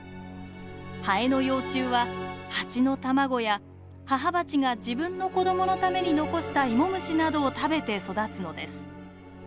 ハエの幼虫はハチの卵や母バチが自分の子供のために残したイモムシなどを食べて育つのです。